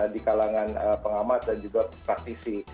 di kalangan pengamat dan juga praktisi